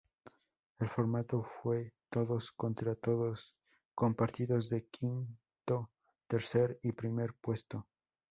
El formato fue todos contra todos con partidos de quinto, tercer y primer puesto.